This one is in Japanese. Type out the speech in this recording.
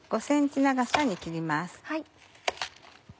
５ｃｍ長さに切ります。